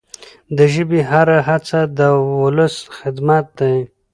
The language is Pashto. د ژبي هره هڅه د ولس خدمت دی.